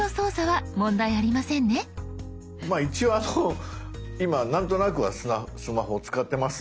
まあ一応あの今なんとなくはスマホを使ってますので。